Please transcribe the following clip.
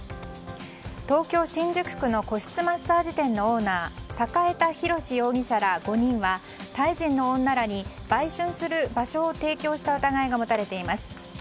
東京・新宿区の個室マッサージ店のオーナー栄田博容疑者ら５人はタイ人の女らに買春する場所を提供した疑いが持たれています。